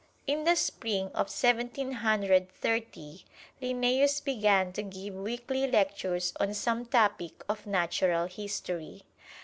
In the Spring of Seventeen Hundred Thirty, Linnæus began to give weekly lectures on some topic of Natural History.